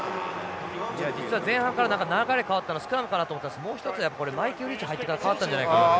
実は前半から何か流れ変わったのはスクラムかなと思ったんですがもう一つはこれマイケルリーチ入ってから変わったんじゃないかなと。